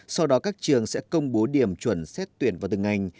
sau đó các trường sẽ công bố điểm chuẩn xét tuyển vào từng ngành